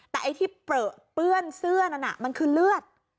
แต่ไอ้ที่เปลือเปื้อนเสื้อนั้นมันคือเลือด